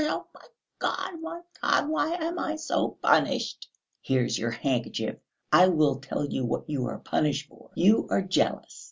Oh, my God, my God, why am I so punished?" "Here's your handkerchief! I will tell you what you are punished for. You are jealous.